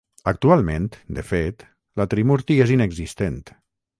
Actualment, de fet, la Trimurti és inexistent.